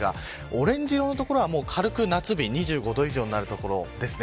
オレンジ色の所は軽く夏日２５度以上になる所です。